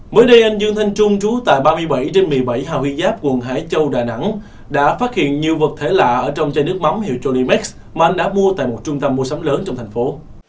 mới đây anh dương thanh trung trú tại ba mươi bảy trên một mươi bảy hà huy giáp quận hải châu đà nẵng đã phát hiện nhiều vật thể lạ ở trong chai nước mắm hiệu cholimax mà anh đã mua tại một trung tâm mua sắm lớn trong thành phố